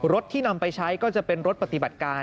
ที่นำไปใช้ก็จะเป็นรถปฏิบัติการ